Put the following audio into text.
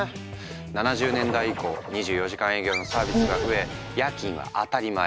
７０年代以降２４時間営業のサービスが増え夜勤は当たり前。